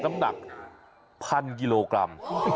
น้ำหนัก๑๐๐กิโลกรัม